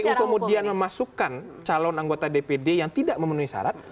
karena kalau kemudian memasukkan calon anggota dpd yang tidak memenuhi syarat